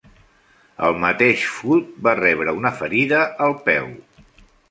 El mateix Foote va rebre una ferida al peu.